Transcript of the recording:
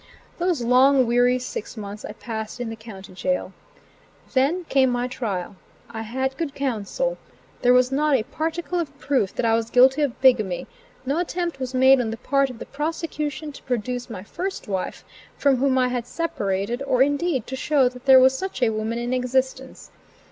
Those long, weary six months I passed in the county jail. Then came my trial. I had good counsel. There was not a particle of proof that I was guilty of bigamy; no attempt was made on the part of the prosecution to produce my first wife, from whom I had separated, or, indeed, to show that there was such a woman in existence.